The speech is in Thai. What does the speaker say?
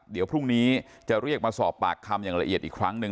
เดี๋ยวพรุ่งนี้จะเรียกมาสอบปากคำอย่างละเอียดอีกครั้งหนึ่ง